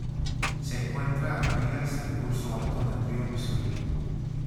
Se encuentra a orillas del curso alto del río Misuri.